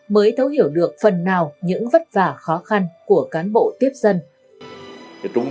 mới thấu hiểu được phần nào những vất vả khó khăn của cán bộ tiếp dân